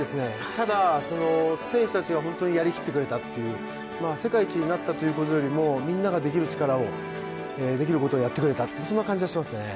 ただ、選手たちが本当にやりきってくれたっていう、世界一になったということよりも、みんなができる力を、できることをやってくれた、そんな感じがしますね。